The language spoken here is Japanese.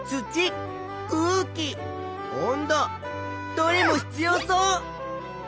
どれも必要そう！